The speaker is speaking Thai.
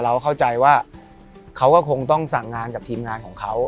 เข้าใจว่าเขาก็คงต้องสั่งงานกับทีมงานของเขา